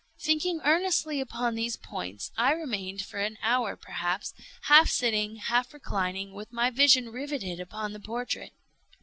Thinking earnestly upon these points, I remained, for an hour perhaps, half sitting, half reclining, with my vision riveted upon the portrait.